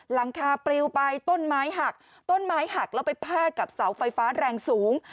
หลังคาปลิวไปต้นไม้หักต้นไม้หักแล้วไปพาดกับเสาไฟฟ้าแรงสูง